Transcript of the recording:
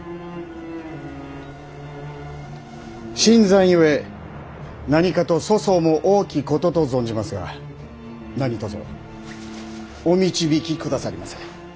新参ゆえ何かと粗相も多きことと存じますが何とぞお導き下さいませ。